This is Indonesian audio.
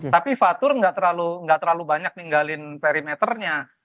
tapi fatur nggak terlalu banyak ninggalin perimeternya